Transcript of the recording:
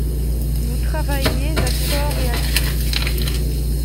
Vous travaillez à corps et à cris.